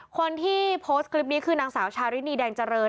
คนที่โพสต์คลิปนี้คือนางสาวชารินีแดงเจริญ